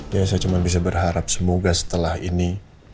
ya saya cuma bisa berharap semoga setelah ini